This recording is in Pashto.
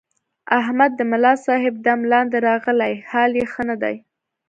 احمد د ملاصاحب دم لاندې راغلی، حال یې ښه نه دی.